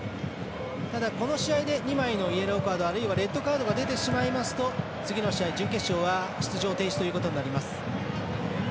ただ、この試合で２枚のイエローカードあるいはレッドカードが出てしまいますと次の試合、準決勝は出場停止ということになります。